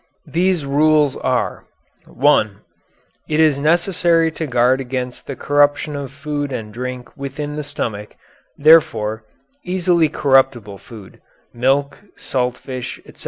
These rules are: (1) It is necessary to guard against the corruption of food and drink within the stomach; therefore, easily corruptible food milk, salt fish, etc.